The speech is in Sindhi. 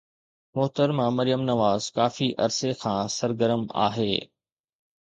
محترمه مريم نواز ڪافي عرصي کان سرگرم آهي.